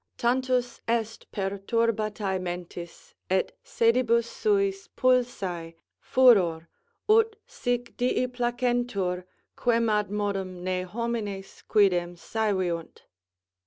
_Tantus est perturbâto mentis, et sedibus suis pilso, furor, ut sic dii placentur, quemadmodum ne homines quidem soviunt.